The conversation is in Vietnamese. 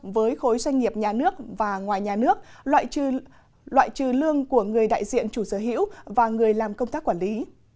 với khối doanh nghiệp nhà nước và ngoài nhà nước loại trừ lương của người đại diện chủ sở hữu và người làm công tác quản lý